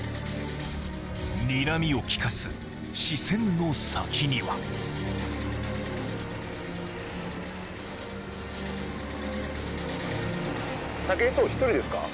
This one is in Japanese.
にらみを利かす視線の先には武井壮１人ですか？